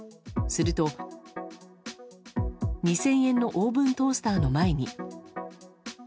すると２０００円のオーブントースターの前に。